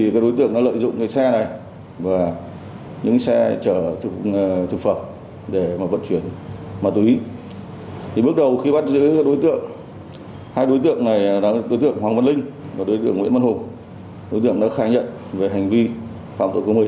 và đối tượng nguyễn văn hùng đối tượng đã khai nhận về hành vi phạm tội công hình